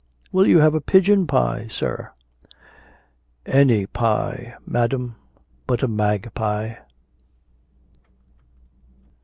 Will you have a pigeon pie, sir?" "Any pie, madam, but a magpie."